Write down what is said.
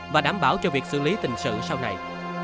và đảm bảo cho việc xử lý tình sự sau này